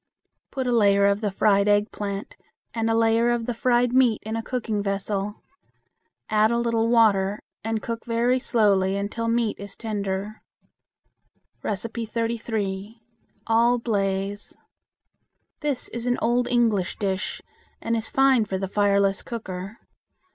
Put a layer of the fried eggplant and a layer of the fried meat in a cooking vessel. Add a little water, and cook very slowly until meat is tender. 33. All Blaze. This is an old English dish, and is fine for the fireless cooker.